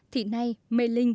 thì nay mê linh